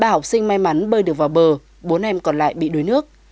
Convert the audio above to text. ba học sinh may mắn bơi được vào bờ bốn em còn lại bị đuối nước